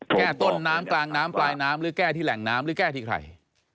แก้ต้นน้ำกลางน้ำปลายน้ำหรือแก้ที่แหล่งน้ำหรือแก้ที่ใคร